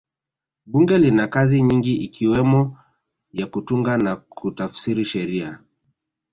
bunge lina kazi nyingi ikiwemo ya kutunga na kutafsiri sheria